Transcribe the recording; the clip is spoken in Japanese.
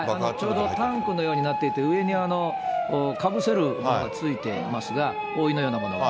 ちょうどタンクのようになっていて、上にかぶせるものがついていますが、覆いのようなものが。